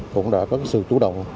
cũng đã có sự chủ động